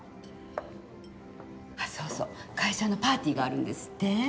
そうそう会社のパーティーがあるんですって？